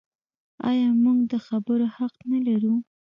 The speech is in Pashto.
آیا موږ د خبرو حق نلرو؟